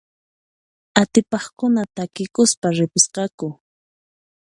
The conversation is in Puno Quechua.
Atipaqkuna takikuspa ripusqaku.